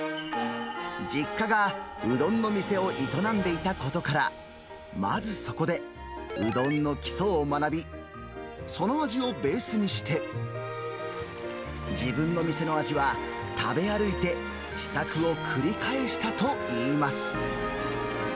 実家がうどんの店を営んでいたことから、まずそこでうどんの基礎を学び、その味をベースにして、自分の店の味は、食べ歩いて試作を繰り返したといいます。